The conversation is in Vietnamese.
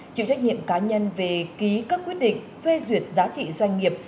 chịu trách nhiệm cá nhân về ký các quyết định phê duyệt giá trị doanh nghiệp